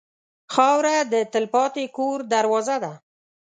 خاوره د تلپاتې کور دروازه ده.